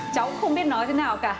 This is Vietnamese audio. cháu cũng không biết nói thế nào cả